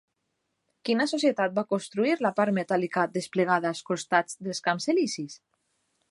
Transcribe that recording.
Quina societat va construir la part metàl·lica desplegada als costats dels Camps Elisis?